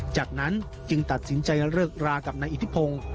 จากนั้นจึงตัดสินใจเลิกรากับนายอิทธิพงศ์